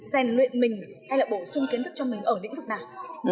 hèn luyện mình hay là bổ sung kiến thức cho mình ở những lĩnh vực nào